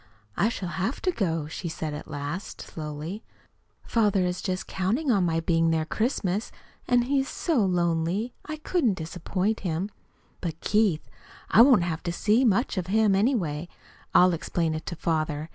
"I shall have to go," she said at last, slowly. "Father is just counting on my being there Christmas, and he is so lonely I couldn't disappoint him. But, Keith I won't have to see much of him, anyway. I'll explain it to father.